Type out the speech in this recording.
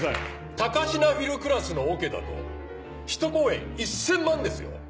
高階フィルクラスのオケだと１公演１０００万ですよ？